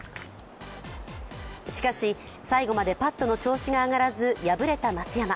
しかし、最後までパットの調子が上がらず敗れた松山。